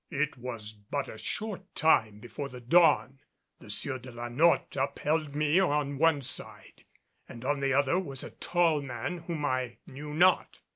It was but a short time before the dawn. The Sieur de la Notte upheld me on one side and on the other was a tall man whom I knew not.